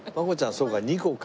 そうか２個か。